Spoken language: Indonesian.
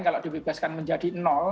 kalau dibebaskan menjadi